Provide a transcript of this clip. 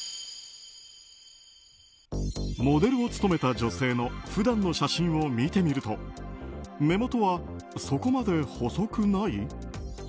モデルを務めた女性の普段の写真を見てみると目元はそこまで細くない？